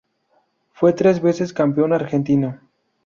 Fue tres veces campeón argentino.